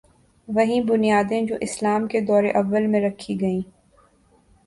وہی بنیادیں جو اسلام کے دور اوّل میں رکھی گئیں۔